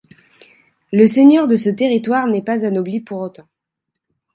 Le seigneur de ce territoire n'est pas anobli pour autant.